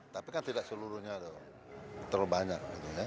tapi kan tidak seluruhnya terlalu banyak